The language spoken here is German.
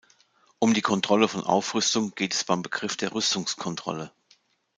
Um die Kontrolle von Aufrüstung geht es beim Begriff der Rüstungskontrolle.